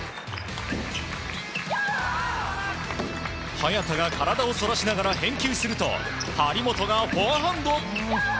早田が体をそらしながら返球すると張本がフォアハンド！